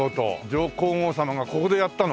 上皇后さまがここでやったの？